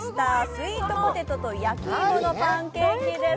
スイートポテトと焼き芋のパンケーキです。